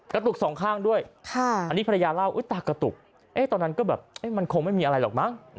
กระตุกสองข้างด้วยอันนี้ภรรยาเล่าตากระตุกตอนนั้นก็แบบมันคงไม่มีอะไรหรอกมั้ง